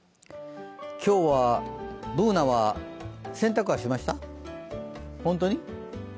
今日は、Ｂｏｏｎａは洗濯はしましたか？